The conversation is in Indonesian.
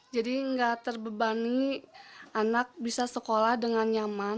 jadi nggak terbebani anak bisa sekolah dengan nyaman